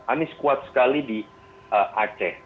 anies kuat sekali di aceh